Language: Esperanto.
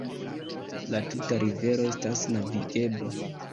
La tuta rivero estas navigebla.